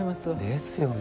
ですよね。